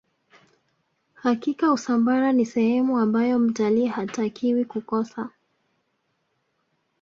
hakika usambara ni sehemu ambayo mtalii hatakiwa kukosa